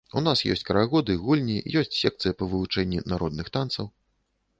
У нас ёсць карагоды, гульні, ёсць секцыя па вывучэнні народных танцаў.